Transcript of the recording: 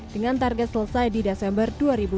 dengan target selesai di desember dua ribu dua puluh